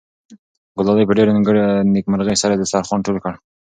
ګلالۍ په ډېرې نېکمرغۍ سره دسترخوان ټول کړ.